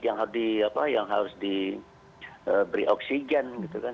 yang harus diberi oksigen